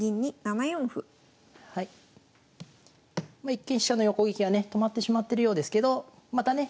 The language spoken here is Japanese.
一見飛車の横利きがね止まってしまってるようですけどまたね